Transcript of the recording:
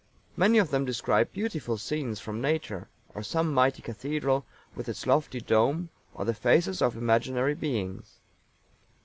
Many of them describe beautiful scenes from Nature, or some mighty cathedral with its lofty dome, or the faces of imaginary beings."